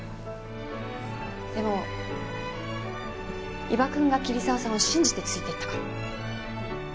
でも伊庭くんが桐沢さんを信じてついていったから。